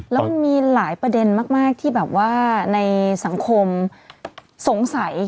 แล้วมันมีหลายประเด็นมากที่แบบว่าในสังคมสงสัย